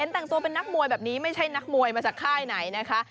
แต่งตัวเป็นนักมวยแบบนี้ไม่ใช่นักมวยมาจากค่ายไหนนะคะ